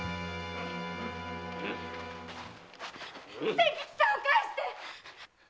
千吉さんを帰して！